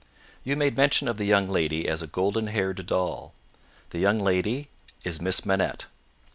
"You made mention of the young lady as a golden haired doll. The young lady is Miss Manette.